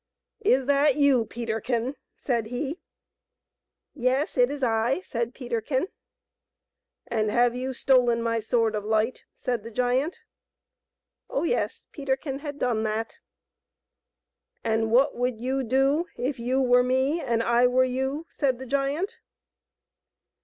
" Is that you, Peterkin ?" said he. "Yes; it is I," said Peterkin. " And have you stolen my Sword of Light ?' said the giant. Oh, yes ; Peterkin had done that. " And what would you do if you were me and I were you ?" said the giant.